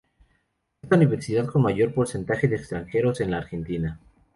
Es la universidad con mayor porcentaje de extranjeros en la Argentina.